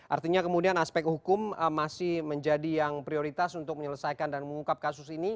artinya kemudian aspek hukum masih menjadi yang prioritas untuk menyelesaikan dan mengungkap kasus ini